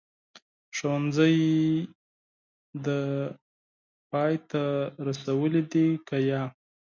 ښوونځی دي پای ته رسولی دی که نه ؟